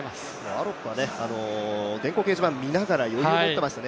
アロップは電光掲示板を見て、余裕を持っていましたね。